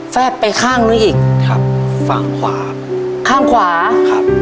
ทับผลไม้เยอะเห็นยายบ่นบอกว่าเป็นยังไงครับ